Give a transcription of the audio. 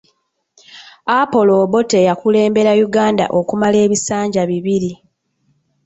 Apollo Obote yakulembera Uganda okumala ebisanja bibiri.